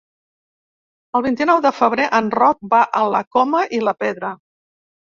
El vint-i-nou de febrer en Roc va a la Coma i la Pedra.